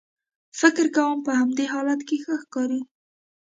فکر کوم په همدې حالت کې ښه ښکارې.